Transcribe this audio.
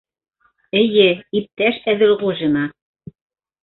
Эйе, иптәш Әҙелғужина!